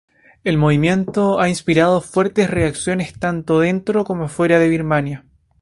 El movimiento ha inspirado fuertes reacciones tanto dentro como fuera de Birmania.